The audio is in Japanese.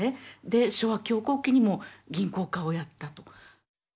で昭和恐慌期にも銀行家をやったと。